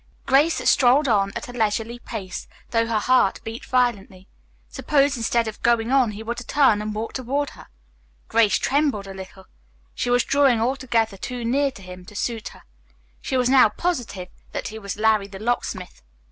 Grace strolled on at a leisurely pace, though her heart beat violently. Suppose instead of going on he were to turn and walk toward her. Grace trembled a little. She was drawing altogether too near to him to suit her. She was now positive that he was "Larry, the Locksmith."